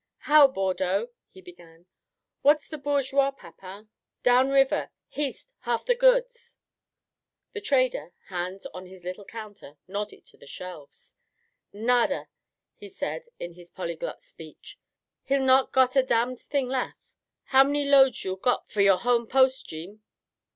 "How, Bordeaux?" he began. "Whar's the bourgeois, Papin?" "Down river h'east h'after goods." The trader, hands on his little counter, nodded to his shelves. "Nada!" he said in his polyglot speech. "Hi'll not got a damned thing lef'. How many loads you'll got for your h'own post, Jeem?"